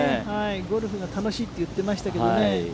ゴルフが楽しいって言ってましたけどね。